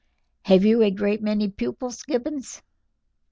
"Have you a great many pupils, Gibbons?"